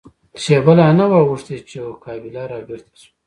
شېبه لا نه وه اوښتې چې يوه قابله را بېرته شوه.